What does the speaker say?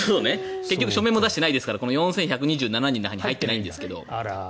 結局書面も出していないですからこの４１２７人の中に入っていないんですが。